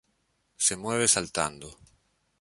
Se mueve saltando.